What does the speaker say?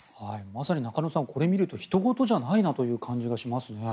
まさに中野さんこれを見るとひと事じゃないなという感じがしますね。